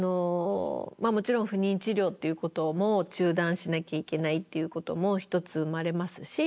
もちろん不妊治療っていうことも中断しなきゃいけないっていうことも一つ生まれますし